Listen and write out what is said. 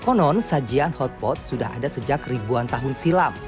konon sajian hotpot sudah ada sejak ribuan tahun silam